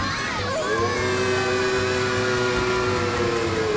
うわ！